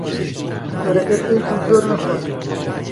دکتۆرەکە پێی گوت زۆر نەخواتەوە.